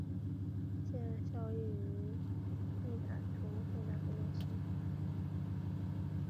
现效力于意甲球会那不勒斯。